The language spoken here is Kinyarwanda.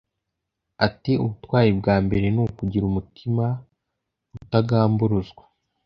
Ati “Ubutwari bwa mbere ni ukugira umutima utagamburuzwa